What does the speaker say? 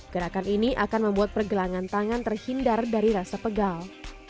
gerakan ini akan membuat pergelangan tangan terhindar dari rasa pegal